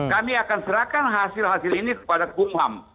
kami akan serahkan hasil hasil ini kepada kumham